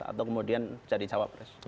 atau kemudian mencari wapres yang lain